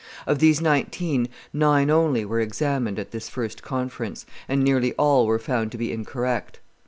Of these nineteen nine only were examined at this first conference, and nearly all were found to be incorrect.